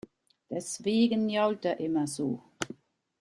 Deswegen jault er immer so.